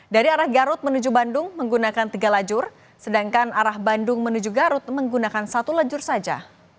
dari arah garut menuju bandung menggunakan tiga lajur sedangkan arah bandung menuju garut menggunakan satu lajur saja